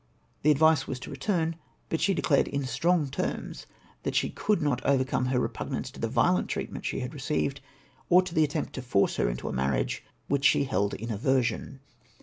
The advice was to return ; but she declared in strong terms that she could not overcome her repugnance to the violent treatment she had re ceived, or to the attempt to force her into a marriage which she held in aversion.